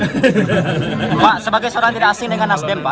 pak sebagai seorang tidak asing dengan nasdem pak